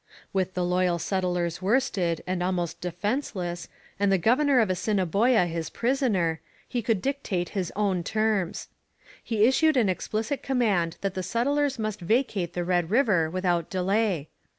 With the loyal settlers worsted and almost defenceless, and the governor of Assiniboia his prisoner, he could dictate his own terms. He issued an explicit command that the settlers must vacate the Red River without delay.